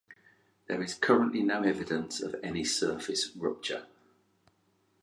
There is currently no evidence of any surface rupture.